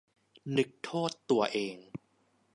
นึกโทษตัวเอง